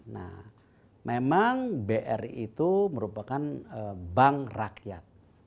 nah memang bri itu merupakan bank rakyat